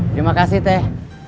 terima kasih teh